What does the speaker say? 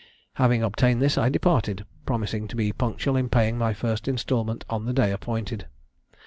Having obtained this, I departed, promising to be punctual in paying my first instalment on the day appointed.